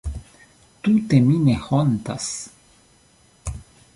Tute mi ne hontas!